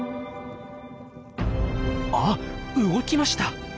あっ動きました！